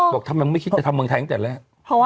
บอกทำไมไม่คิดจะทำเมืองไทยตั้งแต่แรก